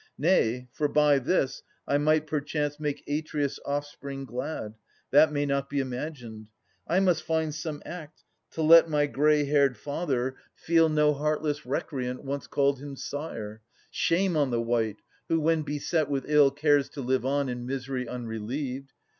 Nay, for by this I might perchance make Atreus' offspring glad. That may not be imagined. I must find Some act to let my grey h'aired father feel 70 Atas [472 503 No heartless recreant once called him sire. Shame on the wight who when beset with ill Cares to live on in misery unrelieved.